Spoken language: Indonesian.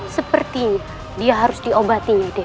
sepertinya dia harus diobati nyai dek